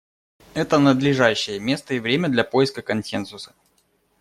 Это надлежащее место и время для поиска консенсуса.